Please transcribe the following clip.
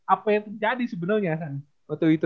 apa yang terjadi sebenernya san waktu itu